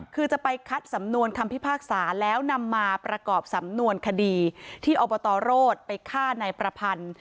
คือจะไปคัดสำนวนคำพิพากษาแล้วนำมาประกอบสำนวนคดีที่อบตรโรศไปฆ่านายประพันธ์